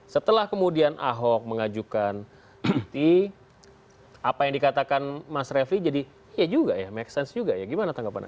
setelah kemudian ahok mengajukan cuti apa yang dikatakan mas refli jadi ya juga ya make sense juga ya gimana tanggapan anda